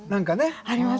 あります。